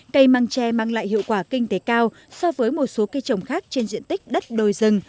cây măng tre mang lại hiệu quả kinh tế cao so với một số cây trồng khác trên diện tích đất đồi rừng